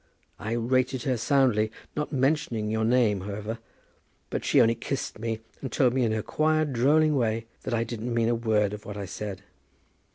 I rated her soundly, not mentioning your name, however; but she only kissed me, and told me in her quiet drolling way that I didn't mean a word of what I said.